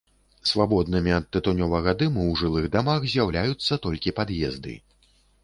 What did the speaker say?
Свабоднымі ад тытунёвага дыму ў жылых дамах з'яўляюцца толькі пад'езды.